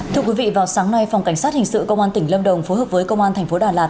thưa quý vị vào sáng nay phòng cảnh sát hình sự công an tỉnh lâm đồng phối hợp với công an thành phố đà lạt